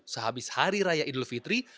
sehabis hari raya idul fitri